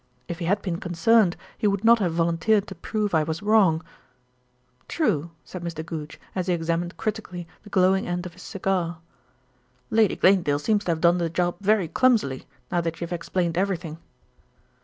If he had been concerned he would not have volunteered to prove I was wrong." "True," said Mr. Goodge as he examined critically the glowing end of his cigar. "Lady Glanedale seems to have done the job very clumsily, now that you have explained everything."